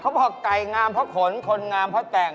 บอกไก่งามเพราะขนคนงามเพราะแต่ง